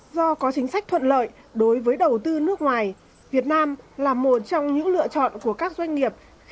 do có chính sách thuận lợi đối với đầu tư nước ngoài việt nam là một trong những lựa chọn của các doanh nghiệp